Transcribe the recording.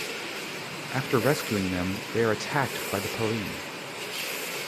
After rescuing them, they are attacked by the Paling.